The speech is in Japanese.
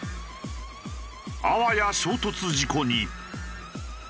あわや衝突事故に。